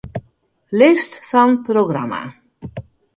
List fan programma.